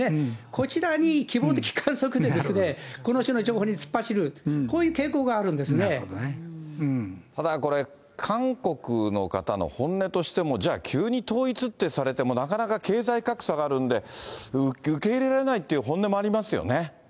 こちらに希望的観測で、この種の情報に突っ走る、ただこれ、韓国の方の本音としても、じゃあ急に統一ってされても、なかなか経済格差があるんで、受け入れられないっていう本音もありますよね。